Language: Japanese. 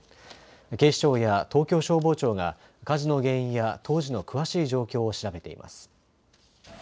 警視庁や東京消防庁が火事の原因や当時の詳しい状況を調べています。